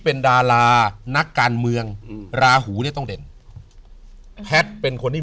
เป็นดารานักการเมืองอืมราหูเนี่ยต้องเด่นแพทย์เป็นคนที่